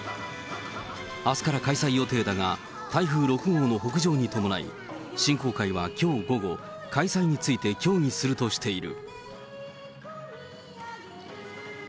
あすから開催予定だが、台風６号の北上に伴い、振興会はきょう午後、開催について協議するとしている。